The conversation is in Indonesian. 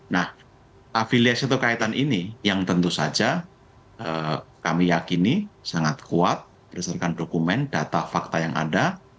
nah afiliasi atau kaitan ini yang tentu saja kami yakini sangat kuat berdasarkan dokumen data fakta yang ada